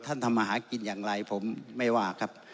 ทำมาหากินอย่างไรผมไม่ว่าครับ